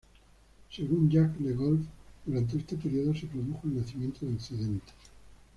Según Jacques Le Goff durante este periodo se produjo el nacimiento de Occidente.